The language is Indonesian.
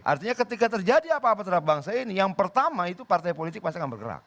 artinya ketika terjadi apa apa terhadap bangsa ini yang pertama itu partai politik pasti akan bergerak